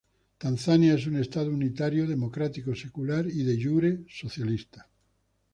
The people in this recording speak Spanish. Tanzania es un estado unitario, democrático, secular y "de jure" socialista.